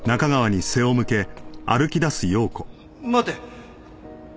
待て！